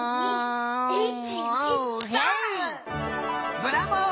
ブラボー！